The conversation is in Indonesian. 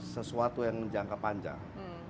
sesuatu yang jangka panjang